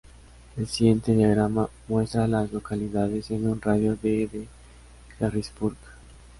El siguiente diagrama muestra a las localidades en un radio de de Harrisburg.